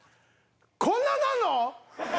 こんなになるの！？